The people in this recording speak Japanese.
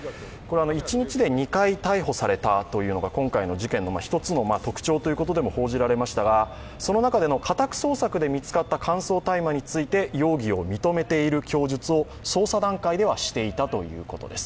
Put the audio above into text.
一日で２回逮捕されたというのが今回の事件の一つの特徴ということでも、報じられましたが、その中での家宅捜索で見つかった乾燥大麻について容疑を認めている供述を捜査段階ではしていたということです。